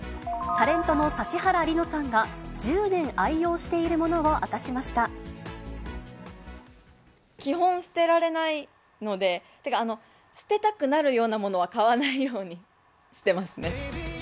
タレントの指原莉乃さんが、１０年愛用しているものを明かし基本、捨てられないので、ってか、捨てたくなるようなものは買わないようにしてますね。